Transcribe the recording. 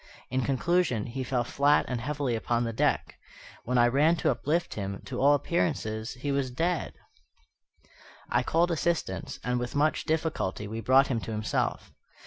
In conclusion, he fell flat and heavily upon the deck. When I ran to uplift him, to all appearance he was dead. I called assistance, and, with much difficulty, we brought him to himself.